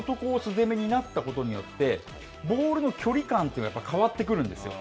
攻めになったことによって、ボールの距離感というのは、変わってくるんですよ。